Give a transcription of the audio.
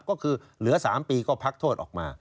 ก็คือเหลือ๓ปีก็พักโทษออกมา